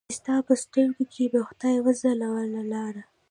چې ستا په سترګو کې به خدای وځلوله لاره